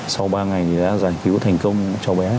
sau ba ngày thì đã giải cứu thành công cháu bé